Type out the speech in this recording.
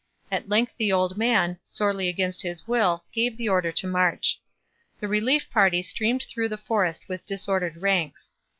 At length the old man, sorely against his will, gave the order to march. The relief party streamed through the forest with disordered ranks.